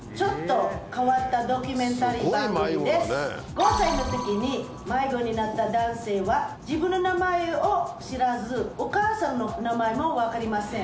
５歳の時に迷子になった男性は自分の名前を知らずお母さんの名前も分かりません。